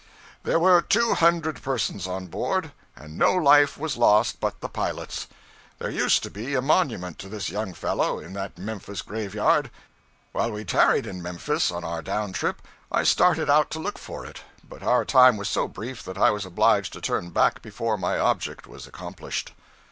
There were two hundred persons on board, and no life was lost but the pilot's. There used to be a monument to this young fellow, in that Memphis graveyard. While we tarried in Memphis on our down trip, I started out to look for it, but our time was so brief that I was obliged to turn back before my object was accomplished.